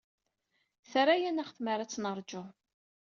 Terra-aneɣ tmara ad tt-neṛju?